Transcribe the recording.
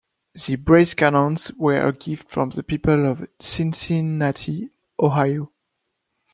The brass cannons were a gift from the people of Cincinnati, Ohio.